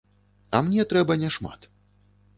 А мне трэба няшмат.